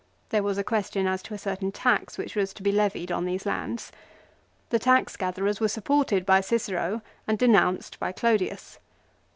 There was a question as to a certain tax which was to be levied on these lands. The taxgatherers were supported by Cicero and denounced by Clodius.